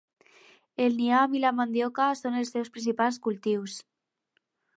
El nyam i la mandioca són els seus principals cultius.